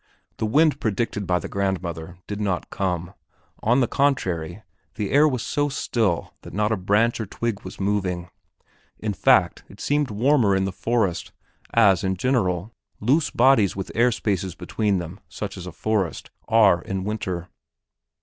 The wind predicted by grandmother did not come; on the contrary, the air was so still that not a branch or twig was moving. In fact, it seemed warmer in the forest, as, in general, loose bodies with air spaces between, such as a forest, are in winter.